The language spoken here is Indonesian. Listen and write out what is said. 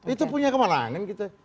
itu punya kemenangan kita